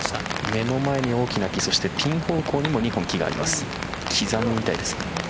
目の前に大きな木ピン方向にも２本木があります。